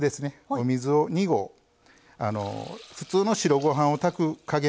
お水を２合普通の白ご飯を炊く加減と全く一緒です。